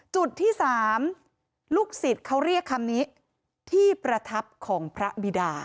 จุดที่๓ลูกศิษย์เขาเรียกคำนี้ที่ประทับของพระบิดา